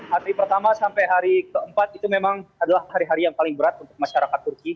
hari pertama sampai hari keempat itu memang adalah hari hari yang paling berat untuk masyarakat turki